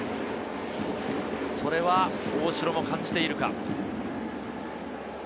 それは大城も感じているか。